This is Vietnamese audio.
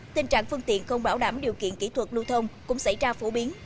tình trạng phương tiện không bảo đảm điều kiện kỹ thuật lưu thông cũng xảy ra phổ biến